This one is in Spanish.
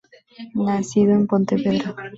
Nacido en Pontevedra.